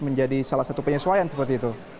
menjadi salah satu penyesuaian seperti itu